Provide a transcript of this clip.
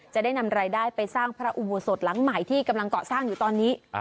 จะได้นำรายได้ไปสร้างพระอุโบสถหลังใหม่ที่กำลังเกาะสร้างอยู่ตอนนี้